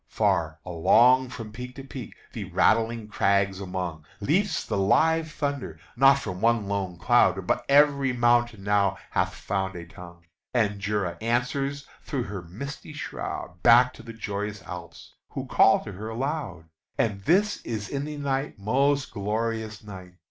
far along From peak to peak, the rattling crags among, Leaps the live thunder! not from one lone cloud, But every mountain now hath found a tongue, And Jura answers through her misty shroud, Back to the joyous Alps, who call to her aloud! And this is in the night: most glorious night!